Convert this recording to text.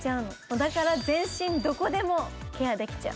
だから全身どこでもケアできちゃう。